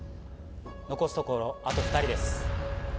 残すところ、あと２人です。